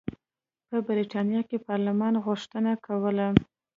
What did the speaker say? په برېټانیا کې پارلمان غوښتنه کوله.